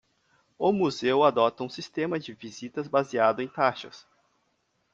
O museu adota um sistema de visitas baseado em taxas.